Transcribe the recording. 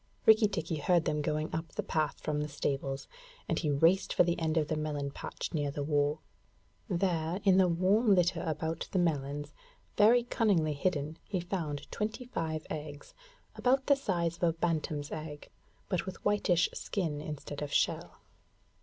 Rikki tikki heard them going up the path from the stables, and he raced for the end of the melon patch near the wall. There, in the warm litter about the melons, very cunningly hidden, he found twenty five eggs, about the size of a bantam's eggs, but with whitish skin instead of shell.